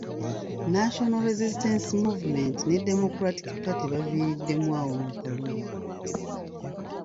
National Resistance Movement ne Democractic Party baviiriddemu awo mu kalulu.